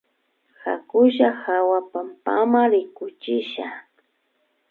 Hakulla hawa pampama rikuchisha